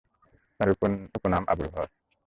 তাঁর উপনাম আবু যর।